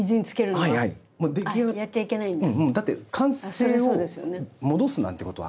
だって完成を戻すなんてことは。